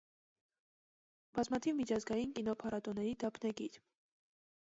Բազմաթիվ միջազգային կինոփառատոների դափնեկիր։